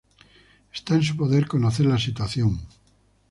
Está en su poder conocer la situación….